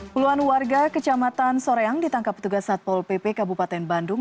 puluhan warga kecamatan soreang ditangkap petugas satpol pp kabupaten bandung